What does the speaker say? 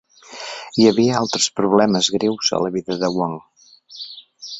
Hi havia altres problemes greus a la vida de Wang.